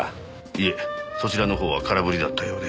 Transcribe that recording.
いえそちらのほうは空振りだったようで。